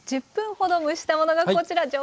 １０分ほど蒸したものがこちら！